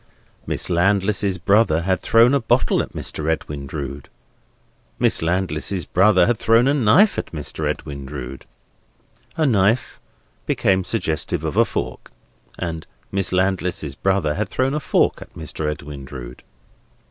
Miss Landless's brother had thrown a bottle at Mr. Edwin Drood. Miss Landless's brother had thrown a knife at Mr. Edwin Drood. A knife became suggestive of a fork; and Miss Landless's brother had thrown a fork at Mr. Edwin Drood.